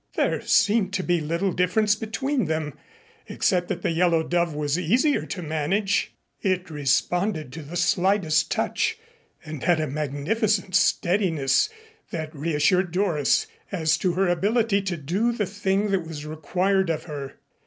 There seemed to be little difference between them, except that the Yellow Dove was easier to manage. It responded to the slightest touch, and had a magnificent steadiness that reassured Doris as to her ability to do the thing that was required of her.